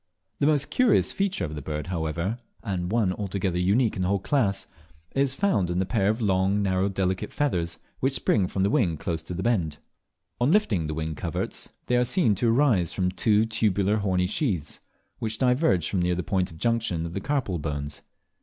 The most curious feature of the bird, however, and one altogether unique in the whole class, is found in the pair of long narrow delicate feathers which spring from each wing close to the bend. On lifting the wing coverts they are seen to arise from two tubular horny sheaths, which diverge from near the point of junction of the carpal bones.